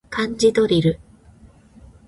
漢字ドリル